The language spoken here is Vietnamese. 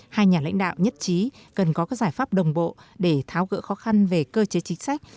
hai nhà lãnh đạo nhất trí cần có các giải pháp đồng bộ để tháo gỡ khó khăn về cơ chế chính sách